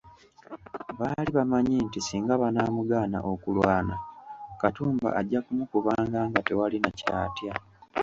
Baali bamanyi nti singa banaamugaana okulwana, Katumba ajja kumukubanga nga tewali nakyatya.